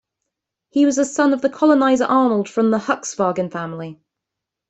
He was the son of the colonizer Arnold from the Huckeswagen family.